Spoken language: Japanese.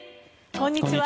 こんにちは。